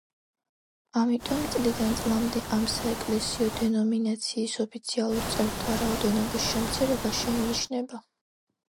ამიტომ წლიდან წლამდე ამ საეკლესიო დენომინაციის ოფიციალურ წევრთა რაოდენობის შემცირება შეინიშნება.